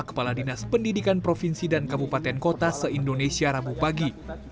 kepala dinas pendidikan provinsi dan kabupaten kota se indonesia rabu pagi